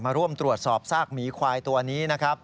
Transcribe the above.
มาร่วมตรวจสอบซากหมีควายตัวนี้นะครับ